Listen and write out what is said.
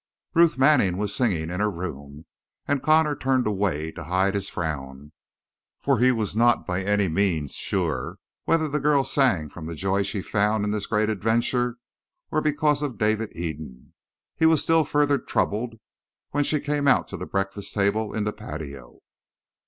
Ruth Manning was singing in her room, and Connor turned away to hide his frown. For he was not by any means sure whether the girl sang from the joy she found in this great adventure or because of David Eden. He was still further troubled when she came out to the breakfast table in the patio.